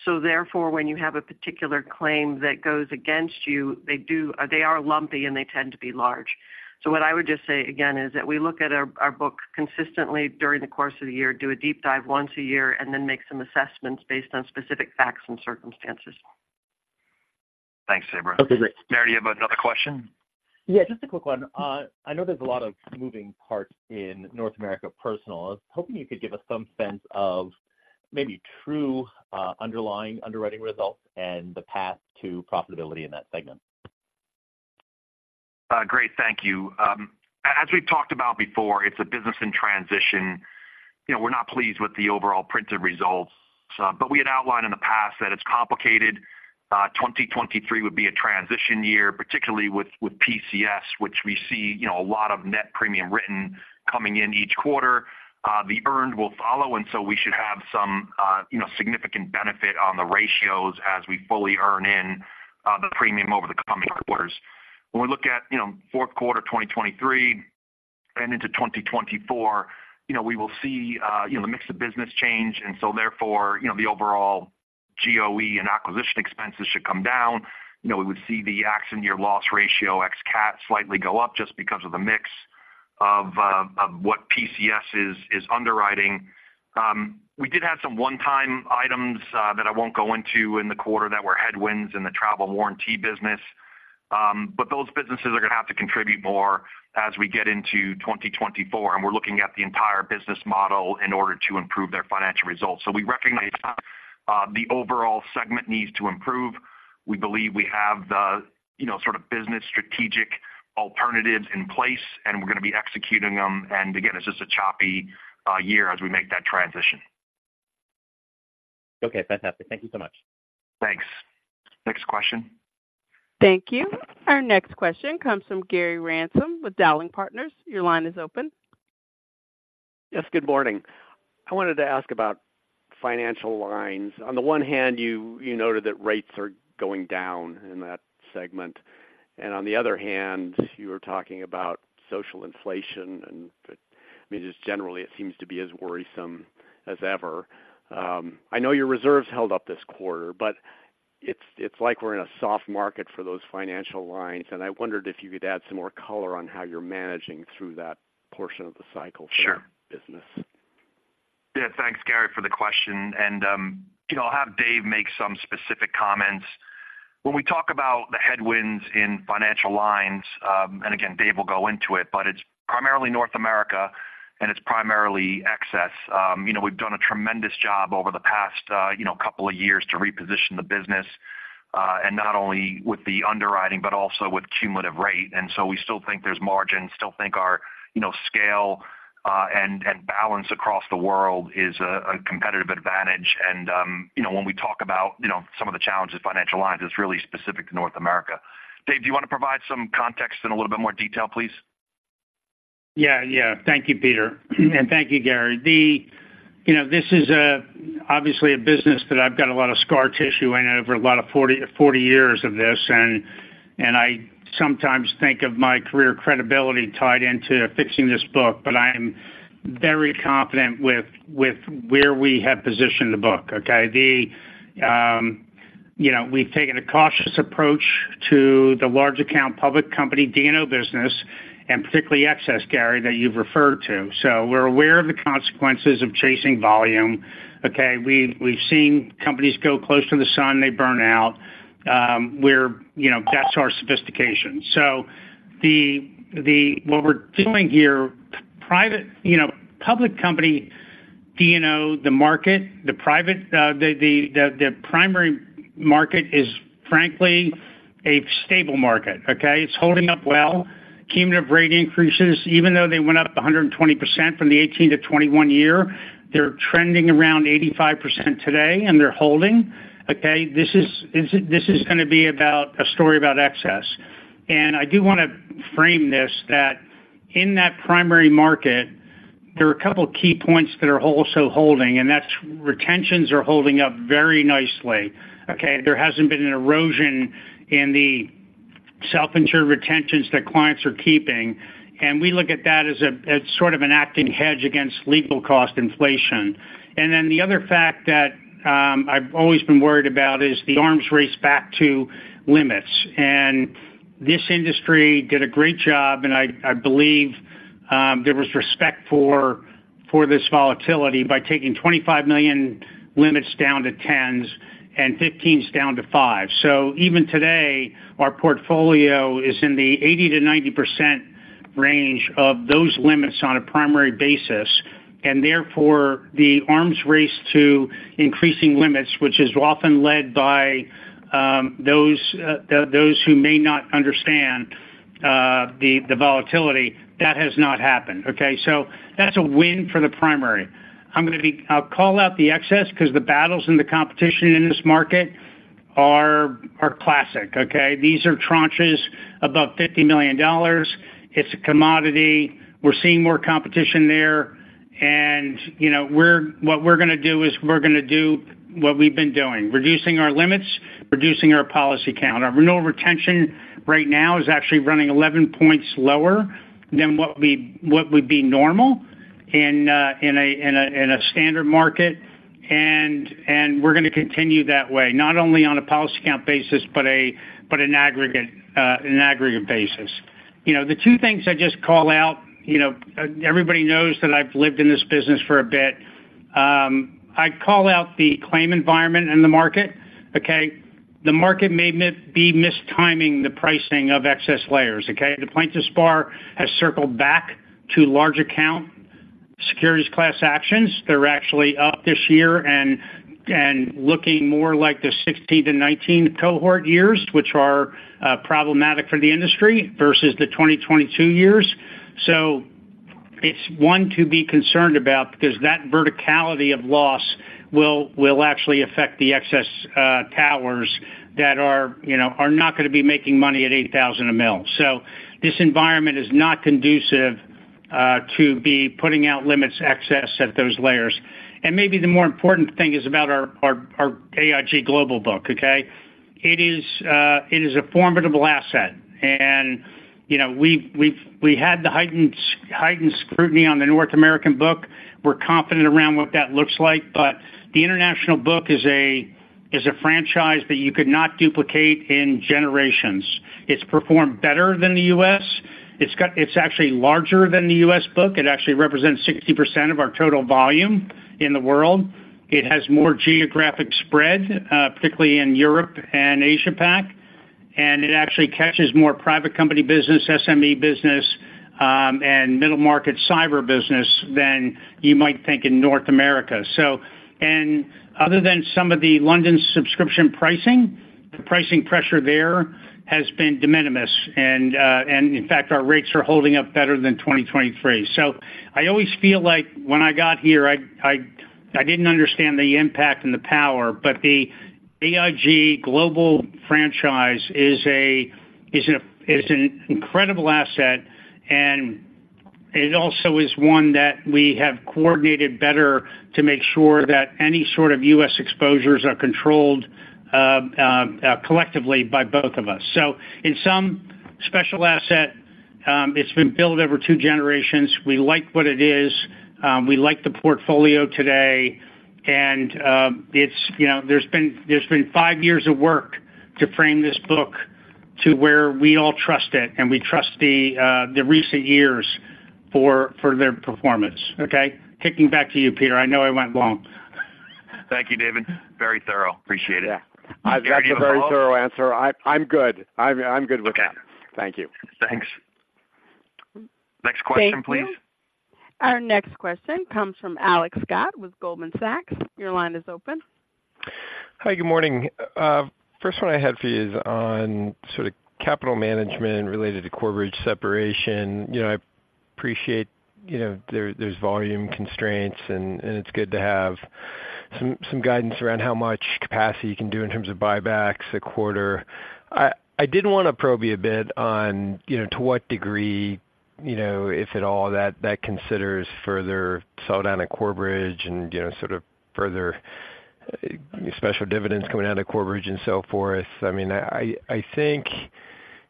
So therefore, when you have a particular claim that goes against you, they are lumpy and they tend to be large.... So what I would just say again is that we look at our book consistently during the course of the year, do a deep dive once a year, and then make some assessments based on specific facts and circumstances. Thanks, Sabra. Okay, great. Meyer, do you have another question? Yeah, just a quick one. I know there's a lot of moving parts in North America personal. I was hoping you could give us some sense of maybe true underlying underwriting results and the path to profitability in that segment. Great, thank you. As we've talked about before, it's a business in transition. You know, we're not pleased with the overall printed results, but we had outlined in the past that it's complicated. 2023 would be a transition year, particularly with PCS, which we see, you know, a lot of net premium written coming in each quarter. The earned will follow, and so we should have some, you know, significant benefit on the ratios as we fully earn in the premium over the coming quarters. When we look at, you know, fourth quarter 2023 and into 2024, you know, we will see the mix of business change, and so therefore, you know, the overall GOE and acquisition expenses should come down. You know, we would see the accident year loss ratio ex cat slightly go up just because of the mix of what PCS is underwriting. We did have some one-time items that I won't go into in the quarter that were headwinds in the travel warranty business. But those businesses are gonna have to contribute more as we get into 2024, and we're looking at the entire business model in order to improve their financial results. So we recognize the overall segment needs to improve. We believe we have the, you know, sort of business strategic alternatives in place, and we're gonna be executing them. And again, it's just a choppy year as we make that transition. Okay, fantastic. Thank you so much. Thanks. Next question? Thank you. Our next question comes from Gary Ransom with Dowling Partners. Your line is open. Yes, good morning. I wanted to ask about Financial Lines. On the one hand, you noted that rates are going down in that segment, and on the other hand, you were talking about social inflation, and, I mean, just generally, it seems to be as worrisome as ever. I know your reserves held up this quarter, but it's like we're in a soft market for those Financial Lines, and I wondered if you could add some more color on how you're managing through that portion of the cycle? Sure. -for business. Yeah, thanks, Gary, for the question, and, you know, I'll have Dave make some specific comments. When we talk about the headwinds in Financial Lines, and again, Dave will go into it, but it's primarily North America, and it's primarily excess. You know, we've done a tremendous job over the past, you know, couple of years to reposition the business, and not only with the underwriting, but also with cumulative rate. And so we still think there's margin, still think our, you know, scale, and balance across the world is a competitive advantage. And, you know, when we talk about, you know, some of the challenges of Financial Lines, it's really specific to North America. Dave, do you want to provide some context and a little bit more detail, please? Yeah, yeah. Thank you, Peter, and thank you, Gary. You know, this is obviously a business that I've got a lot of scar tissue in it over a lot of 40, 40 years of this, and I sometimes think of my career credibility tied into fixing this book, but I'm very confident with where we have positioned the book, okay? You know, we've taken a cautious approach to the large account public company D&O business and particularly excess, Gary, that you've referred to. So we're aware of the consequences of chasing volume, okay? We've seen companies go close to the sun, they burn out. You know, that's our sophistication. So what we're doing here, private, you know, public company, D&O, the market, the private, the primary market is, frankly, a stable market, okay? It's holding up well. Cumulative rate increases, even though they went up 120% from the 2018 to 2021 year, they're trending around 85% today, and they're holding, okay? This is, this is gonna be about a story about excess. And I do want to frame this, that in that primary market, there are a couple of key points that are also holding, and that's retentions are holding up very nicely, okay? There hasn't been an erosion in the self-insured retentions that clients are keeping, and we look at that as a, as sort of an acting hedge against legal cost inflation. And then the other fact that, I've always been worried about is the arms race back to limits. This industry did a great job, and I believe there was respect for this volatility by taking 25 million limits down to 10s and 15s down to 5. So even today, our portfolio is in the 80%-90% range of those limits on a primary basis, and therefore, the arms race to increasing limits, which is often led by those who may not understand the volatility, that has not happened, okay? So that's a win for the primary. I'm gonna be, I'll call out the excess because the battles and the competition in this market are classic, okay? These are tranches above $50 million. It's a commodity. We're seeing more competition there, and, you know, we're, what we're gonna do is we're gonna do what we've been doing, reducing our limits, reducing our policy count. Our renewal retention right now is actually running 11 points lower than what would be normal in a standard market, and we're going to continue that way, not only on a policy count basis, but an aggregate basis. You know, the two things I just call out, you know, everybody knows that I've lived in this business for a bit. I call out the claim environment in the market, okay? The market may be mistiming the pricing of excess layers, okay? The plaintiffs' bar has circled back to large account securities class actions. They're actually up this year and looking more like the 16-19 cohort years, which are problematic for the industry versus the 2022 years. So it's one to be concerned about because that verticality of loss will actually affect the excess towers that are, you know, are not going to be making money at 8,000 a mill. So this environment is not conducive to be putting out limits excess at those layers. And maybe the more important thing is about our AIG global book, okay? It is a formidable asset. And, you know, we had the heightened scrutiny on the North American book. We're confident around what that looks like, but the international book is a franchise that you could not duplicate in generations. It's performed better than the U.S. It's actually larger than the U.S. book. It actually represents 60% of our total volume in the world. It has more geographic spread, particularly in Europe and Asia-Pac, and it actually catches more private company business, SME business, and middle market cyber business than you might think in North America. So, and other than some of the London subscription pricing, the pricing pressure there has been de minimis, and, and in fact, our rates are holding up better than 2023. So I always feel like when I got here, I didn't understand the impact and the power, but the AIG global franchise is an incredible asset, and it also is one that we have coordinated better to make sure that any sort of U.S. exposures are controlled, collectively by both of us. So in some special asset, it's been built over two generations. We like what it is. We like the portfolio today, and it's, you know, there's been five years of work to frame this book to where we all trust it, and we trust the recent years for their performance. Okay, kicking back to you, Peter. I know I went long. Thank you, David. Very thorough. Appreciate it. Yeah. That's a very thorough answer. I'm good. I'm good with that. Okay. Thank you. Thanks. Next question, please. Thank you. Our next question comes from Alex Scott with Goldman Sachs. Your line is open. Hi, good morning. First one I had for you is on sort of capital management related to Corebridge separation. You know, I appreciate, you know, there, there's volume constraints, and, and it's good to have some, some guidance around how much capacity you can do in terms of buybacks a quarter. I, I did want to probe you a bit on, you know, to what degree, you know, if at all, that, that considers further sell down at Corebridge and, you know, sort of further special dividends coming out of Corebridge and so forth. I mean, I, I think,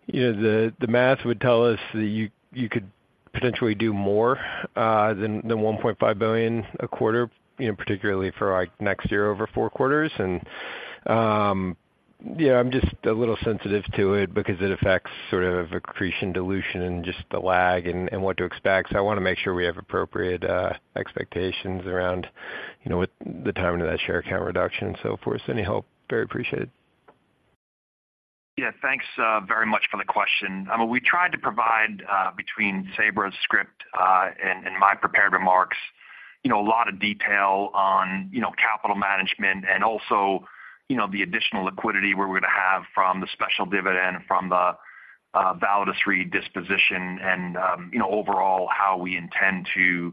you know, the, the math would tell us that you, you could potentially do more, than, than $1.5 billion a quarter, you know, particularly for, like, next year over four quarters. Yeah, I'm just a little sensitive to it because it affects sort of accretion dilution and just the lag and what to expect. I want to make sure we have appropriate expectations around, you know, with the timing of that share count reduction and so forth. Any help very appreciated. Yeah, thanks, very much for the question. I mean, we tried to provide, between Sabra's script, and, and my prepared remarks, you know, a lot of detail on, you know, capital management and also, you know, the additional liquidity we're going to have from the special dividend, from the, Validus disposition and, you know, overall, how we intend to,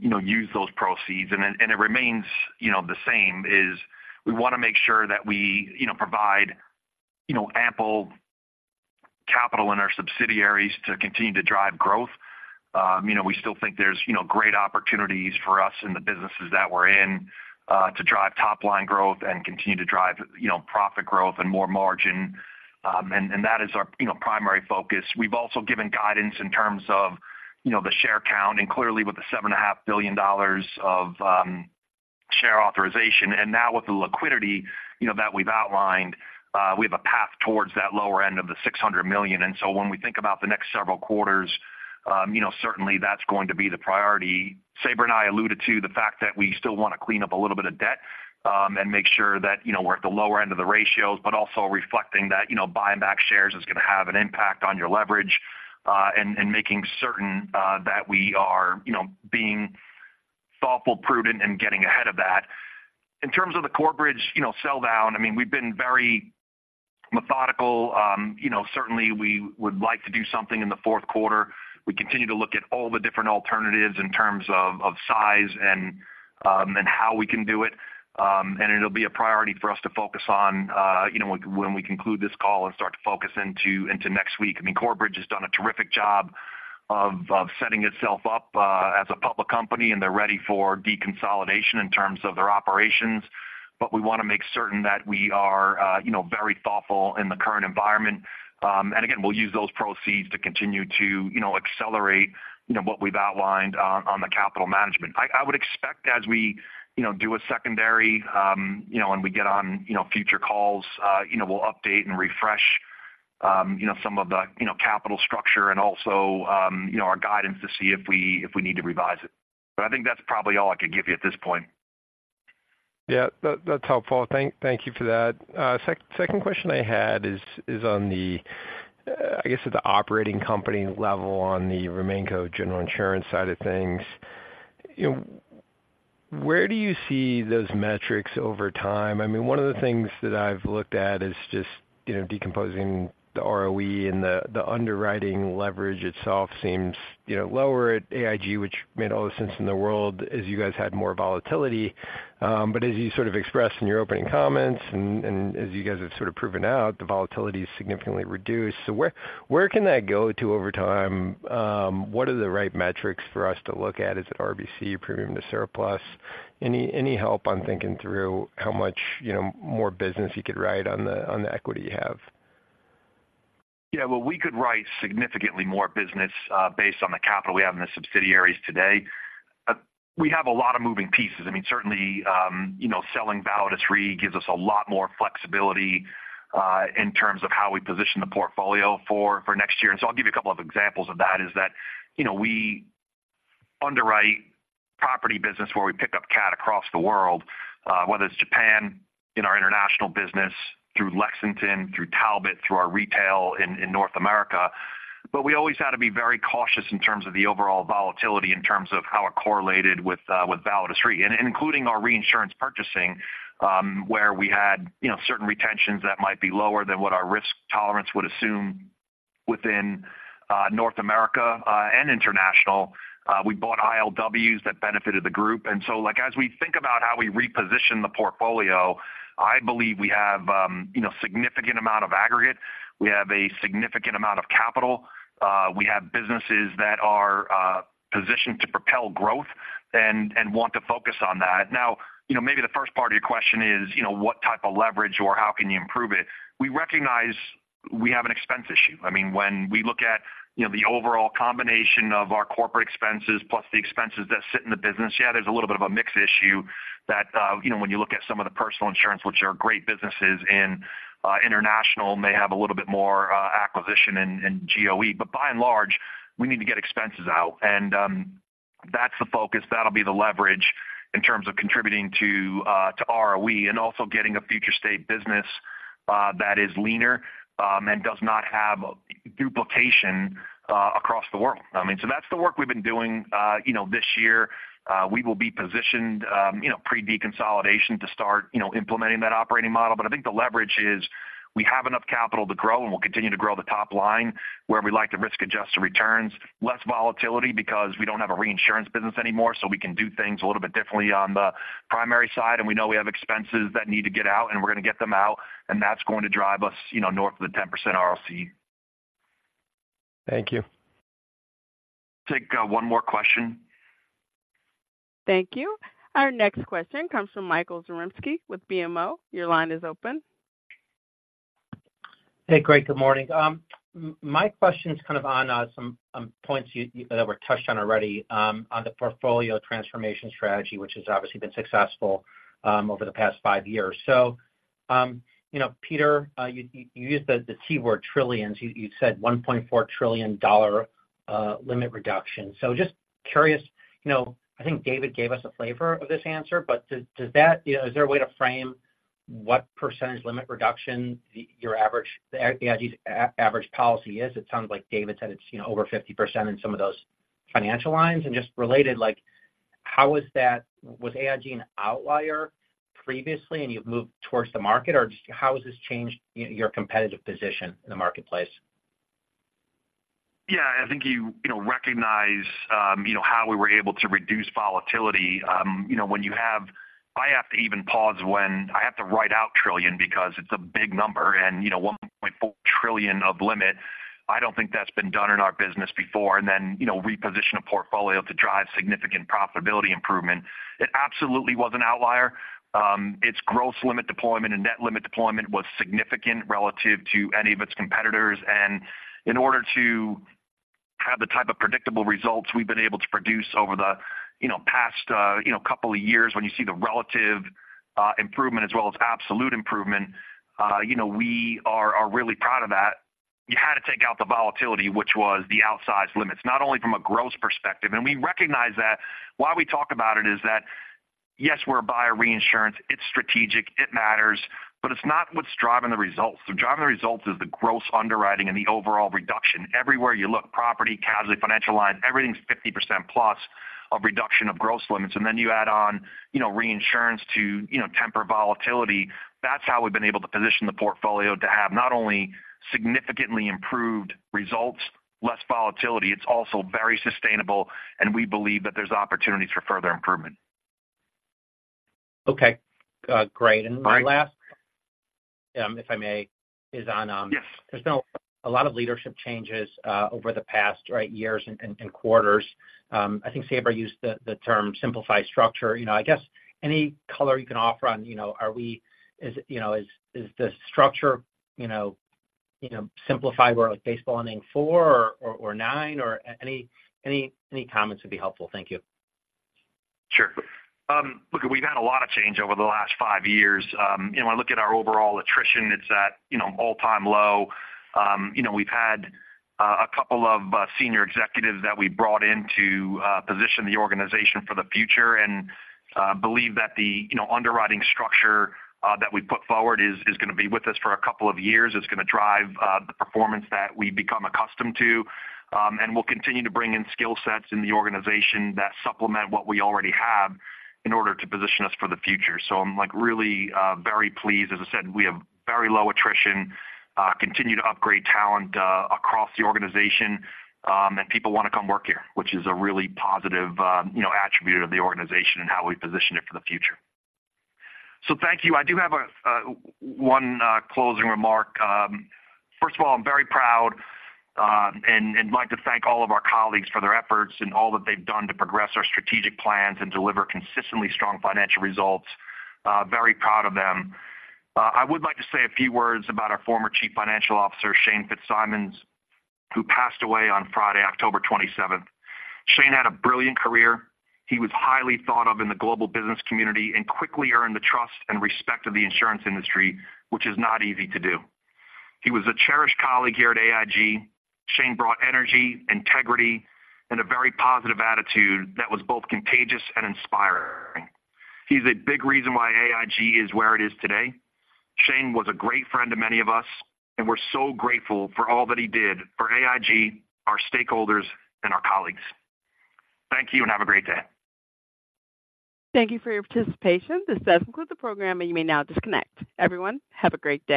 you know, use those proceeds. And it, and it remains, you know, the same, is we want to make sure that we, you know, provide, you know, ample capital in our subsidiaries to continue to drive growth. You know, we still think there's, you know, great opportunities for us in the businesses that we're in, to drive top line growth and continue to drive, you know, profit growth and more margin. And, and that is our, you know, primary focus. We've also given guidance in terms of, you know, the share count and clearly with the $7.5 billion of share authorization. And now with the liquidity, you know, that we've outlined, we have a path towards that lower end of the 600 million. And so when we think about the next several quarters, you know, certainly that's going to be the priority. Sabra and I alluded to the fact that we still want to clean up a little bit of debt, and make sure that, you know, we're at the lower end of the ratios, but also reflecting that, you know, buying back shares is going to have an impact on your leverage, and making certain that we are, you know, being thoughtful, prudent, and getting ahead of that. In terms of the Corebridge, you know, sell down, I mean, we've been very methodical. You know, certainly, we would like to do something in the fourth quarter. We continue to look at all the different alternatives in terms of size and how we can do it. And it'll be a priority for us to focus on, you know, when we conclude this call and start to focus into next week. I mean, Corebridge has done a terrific job of setting itself up as a public company, and they're ready for deconsolidation in terms of their operations... but we want to make certain that we are, you know, very thoughtful in the current environment. And again, we'll use those proceeds to continue to, you know, accelerate, you know, what we've outlined on the capital management. I would expect as we, you know, do a secondary, you know, and we get on, you know, future calls, you know, we'll update and refresh, you know, some of the, you know, capital structure and also, you know, our guidance to see if we, if we need to revise it. But I think that's probably all I could give you at this point. Yeah, that's helpful. Thank you for that. Second question I had is on the, I guess, at the operating company level, on the Remainco General Insurance side of things. You know, where do you see those metrics over time? I mean, one of the things that I've looked at is just, you know, decomposing the ROE and the underwriting leverage itself seems, you know, lower at AIG, which made all the sense in the world as you guys had more volatility. But as you sort of expressed in your opening comments, and as you guys have sort of proven out, the volatility is significantly reduced. So where can that go to over time? What are the right metrics for us to look at? Is it RBC premium to surplus? Any help on thinking through how much, you know, more business you could write on the equity you have? Yeah, well, we could write significantly more business based on the capital we have in the subsidiaries today. We have a lot of moving pieces. I mean, certainly, you know, selling Validus Re gives us a lot more flexibility in terms of how we position the portfolio for next year. And so I'll give you a couple of examples of that, is that, you know, we underwrite property business where we pick up cat across the world, whether it's Japan, in our international business, through Lexington, through Talbot, through our retail in North America. But we always had to be very cautious in terms of the overall volatility, in terms of how it correlated with, with Validus Re, and including our reinsurance purchasing, where we had, you know, certain retentions that might be lower than what our risk tolerance would assume within, North America, and international. We bought ILWs that benefited the group. And so, like, as we think about how we reposition the portfolio, I believe we have, you know, significant amount of aggregate. We have a significant amount of capital. We have businesses that are, positioned to propel growth and, and want to focus on that. Now, you know, maybe the first part of your question is, you know, what type of leverage or how can you improve it? We recognize we have an expense issue. I mean, when we look at, you know, the overall combination of our corporate expenses, plus the expenses that sit in the business, yeah, there's a little bit of a mix issue that, you know, when you look at some of the Personal Insurance, which are great businesses in international, may have a little bit more acquisition and, and GOE. But by and large, we need to get expenses out, and that's the focus. That'll be the leverage in terms of contributing to ROE and also getting a future state business that is leaner and does not have duplication across the world. I mean, so that's the work we've been doing, you know, this year. We will be positioned, you know, pre-deconsolidation to start, you know, implementing that operating model. But I think the leverage is we have enough capital to grow, and we'll continue to grow the top line where we like to risk-adjust the returns. Less volatility because we don't have a reinsurance business anymore, so we can do things a little bit differently on the primary side, and we know we have expenses that need to get out, and we're going to get them out, and that's going to drive us, you know, north of the 10% ROC. Thank you. Take one more question. Thank you. Our next question comes from Michael Zaremski with BMO. Your line is open. Hey, great, good morning. My question is kind of on some points you that were touched on already on the portfolio transformation strategy, which has obviously been successful over the past 5 years. So, you know, Peter, you used the keyword trillions. You said $1.4 trillion dollar limit reduction. So just curious, you know, I think David gave us a flavor of this answer, but does that... You know, is there a way to frame what percentage limit reduction your average, AIG's average policy is? It sounds like David said it's, you know, over 50% in some of those Financial Lines. And just related, like, how is that was AIG an outlier previously and you've moved towards the market? Or just how has this changed your competitive position in the marketplace? Yeah, I think you, you know, recognize, you know, how we were able to reduce volatility. You know, when you have... I have to even pause when I have to write out trillion, because it's a big number, and, you know, $1.4 trillion of limit, I don't think that's been done in our business before, and then, you know, reposition a portfolio to drive significant profitability improvement. It absolutely was an outlier. Its gross limit deployment and net limit deployment was significant relative to any of its competitors. And in order to have the type of predictable results we've been able to produce over the, you know, past, you know, couple of years, when you see the relative, improvement as well as absolute improvement, you know, we are, are really proud of that. You had to take out the volatility, which was the outsized limits, not only from a gross perspective, and we recognize that. Why we talk about it is that, yes, we're a buyer reinsurance, it's strategic, it matters, but it's not what's driving the results. What's driving the results is the gross underwriting and the overall reduction. Everywhere you look, Property, Casualty, Financial Lines, everything's 50%+ of reduction of gross limits, and then you add on, you know, reinsurance to, you know, temper volatility. That's how we've been able to position the portfolio to have not only significantly improved results, less volatility, it's also very sustainable, and we believe that there's opportunities for further improvement. Okay, great. All right. My last, if I may, is on, Yes. There's been a lot of leadership changes over the past right years and quarters. I think Sabra used the term simplify structure. You know, I guess any color you can offer on, you know, are we, is the structure, you know, simplified where like baseball, inning four or nine, or any comments would be helpful. Thank you. Sure. Look, we've had a lot of change over the last five years. You know, when I look at our overall attrition, it's at, you know, all-time low. You know, we've had a couple of senior executives that we brought in to position the organization for the future, and believe that the, you know, underwriting structure that we put forward is gonna be with us for a couple of years. It's gonna drive the performance that we've become accustomed to. And we'll continue to bring in skill sets in the organization that supplement what we already have in order to position us for the future. So I'm like, really very pleased. As I said, we have very low attrition, continue to upgrade talent, across the organization, and people want to come work here, which is a really positive, you know, attribute of the organization and how we position it for the future. So thank you. I do have a, one, closing remark. First of all, I'm very proud, and, and like to thank all of our colleagues for their efforts and all that they've done to progress our strategic plans and deliver consistently strong financial results. Very proud of them. I would like to say a few words about our former Chief Financial Officer, Shane Fitzsimons, who passed away on Friday, October 27th. Shane had a brilliant career. He was highly thought of in the global business community and quickly earned the trust and respect of the insurance industry, which is not easy to do. He was a cherished colleague here at AIG. Shane brought energy, integrity, and a very positive attitude that was both contagious and inspiring. He's a big reason why AIG is where it is today. Shane was a great friend to many of us, and we're so grateful for all that he did for AIG, our stakeholders, and our colleagues. Thank you, and have a great day. Thank you for your participation. This does conclude the program, and you may now disconnect. Everyone, have a great day.